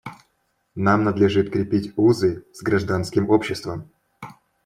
Нам надлежит крепить узы с гражданским обществом.